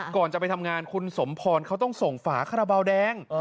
ก่อนจะไปทำงานคุณสมพรเขาต้องส่งฝาคาราบาลแดง